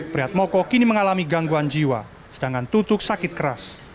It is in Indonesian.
priatmoko kini mengalami gangguan jiwa sedangkan tutuk sakit keras